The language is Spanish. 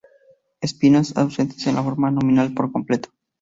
Espinas ausentes en la forma nominal por completo.